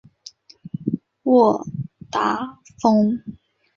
沃达丰